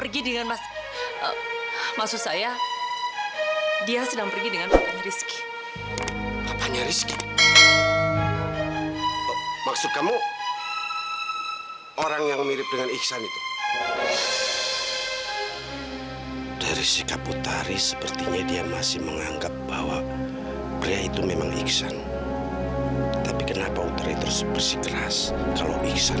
kenapa kamu panggil aku amir memangnya dia sedang pergi dengan mas maksud saya dia